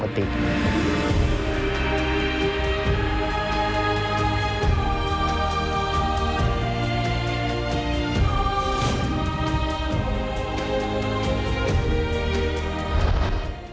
หรือที่จะมีภูมิที่จะอ่อนแหวน